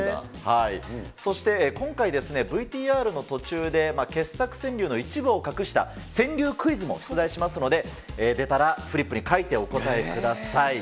そして今回、ＶＴＲの途中で傑作川柳の一部を隠した川柳クイズも出題しますので、出たらフリップに書いてお答えください。